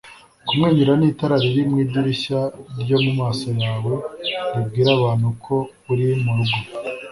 kumwenyura ni itara riri mu idirishya ryo mu maso yawe ribwira abantu ko uri mu rugo